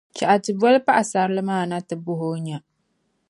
Chɛ ka ti boli paɣisarili maa na nti bɔhi o nya.